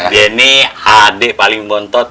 dia ini adik paling bontot